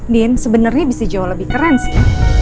din sebenarnya bisa jauh lebih keren sih